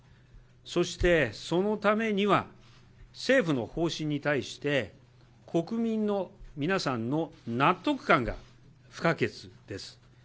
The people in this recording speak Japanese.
そしてそのためには、政府の方針に対して、国民の皆さんの納得感が不可欠です。